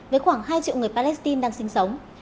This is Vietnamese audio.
với khoảng hai triệu người palestine đang sinh sống